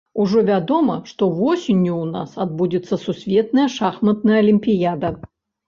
Ужо вядома, што восенню ў нас адбудзецца сусветная шахматная алімпіяда.